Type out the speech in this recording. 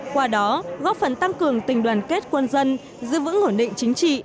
qua đó góp phần tăng cường tình đoàn kết quân dân giữ vững ổn định chính trị